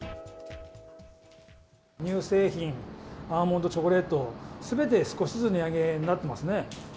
乳製品、アーモンド、チョコレート、すべて少しずつ値上げになってますね。